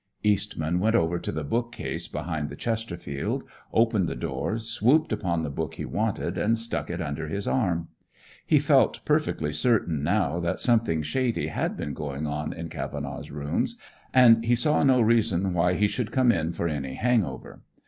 Eastman went over to the bookcase behind the Chesterfield, opened the door, swooped upon the book he wanted and stuck it under his arm. He felt perfectly certain now that something shady had been going on in Cavenaugh's rooms, and he saw no reason why he should come in for any hang over.